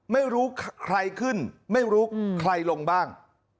ไม่รู้ใครขึ้นไม่รู้ใครลงบ้าง